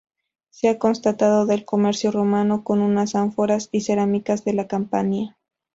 Se ha constatado el comercio romano con unas ánforas y cerámicas de la Campania.